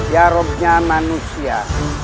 ya rohnya manusia